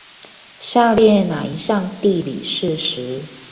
下列那一項地理事實